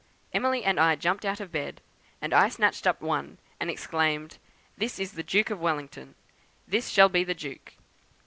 Emily and I jumped out of bed, and I snatched up one and exclaimed, 'This is the Duke of Wellington! This shall be the Duke!'